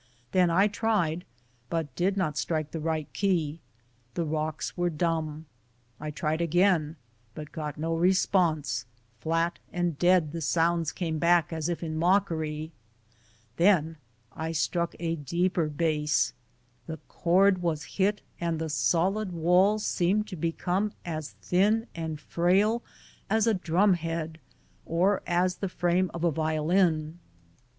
Then I tried, but did not strike the right key ; the rocks were dumb ; I •tried again, but got no response; flat and dead the sounds came back as if in mockery; then I struck a deeper base, the chord was hit, and the solid Avails seemed to become as thin and frail as a drum head or as the frame of a violin.